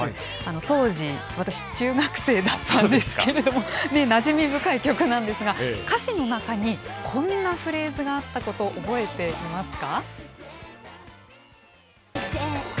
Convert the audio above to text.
当時、私、中学生だったんですけれども、なじみ深い曲なんですが、歌詞の中に、こんなフレーズがあったこと覚えていますか？